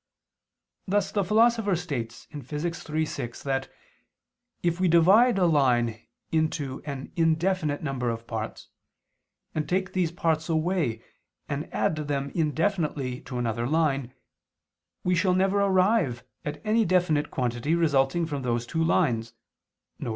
Thus the Philosopher states (Phys. iii, 6) that if we divide a line into an indefinite number of parts, and take these parts away and add them indefinitely to another line, we shall never arrive at any definite quantity resulting from those two lines, viz.